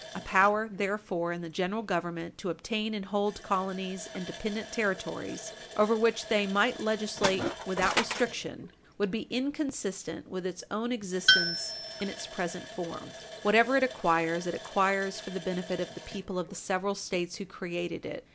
A power, therefore, in the General Government to obtain and hold colonies and dependent territories over which they might legislate without restriction would be inconsistent with its own existence in its present form. Whatever it acquires, it acquires for the benefit of the people of the several States who created it.